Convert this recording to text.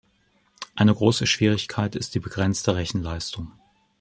Eine große Schwierigkeit ist die begrenzte Rechenleistung.